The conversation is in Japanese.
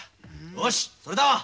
よしそれだわ。